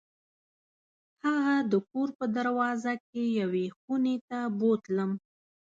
هغه د کور په دروازه کې یوې خونې ته بوتلم.